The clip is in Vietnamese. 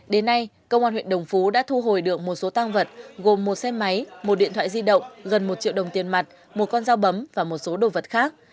đến nay công an huyện đồng phú đã thu hồi được một số tăng vật gồm một xe máy một điện thoại di động gần một triệu đồng tiền mặt một con dao bấm và một số đồ vật khác